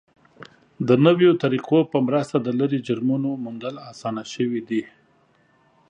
د نویو طریقو په مرسته د لرې جرمونو موندل اسانه شوي دي.